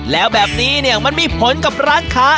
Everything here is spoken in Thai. แล้วแบบนี้เนี่ยมันมีผลกับร้านค้า